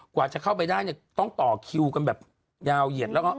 กว่าจะเข้าไปได้เนี่ยต้องต่อคิวกันแบบยาวเหยียดแล้วก็